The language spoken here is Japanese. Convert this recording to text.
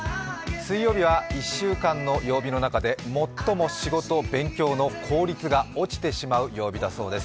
水曜日は１週間の曜日の中で最も勉強の効率が落ちてしまう曜日だそうです。